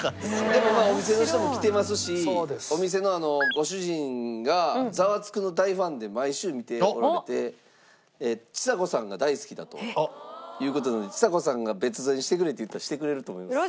でもまあお店の人も来てますしお店のご主人が『ザワつく！』の大ファンで毎週見ておられてちさ子さんが大好きだという事なんでちさ子さんが別添えにしてくれって言ったらしてくれると思います。